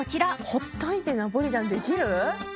ほっといてナポリタンできる？